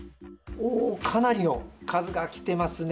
おおかなりの数が来てますね。